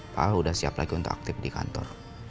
pak al sudah siap lagi untuk aktif di kantor